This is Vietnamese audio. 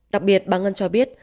đặc biệt bà ngân cho biết